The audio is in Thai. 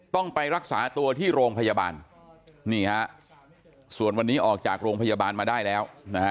ต้องไปรักษาตัวที่โรงพยาบาลนี่ฮะส่วนวันนี้ออกจากโรงพยาบาลมาได้แล้วนะฮะ